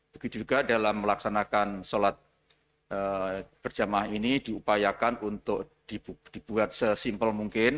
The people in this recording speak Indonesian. begitu juga dalam melaksanakan sholat berjamaah ini diupayakan untuk dibuat sesimpel mungkin